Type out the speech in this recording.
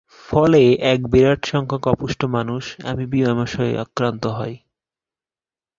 ফলে এক বিরাট সংখ্যক অপুষ্ট মানুষ অ্যামিবীয় আমাশয়ে আক্রান্ত হয়।